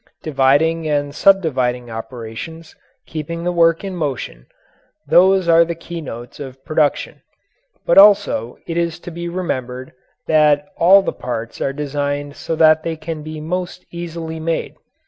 Dividing and subdividing operations, keeping the work in motion those are the keynotes of production. But also it is to be remembered that all the parts are designed so that they can be most easily made.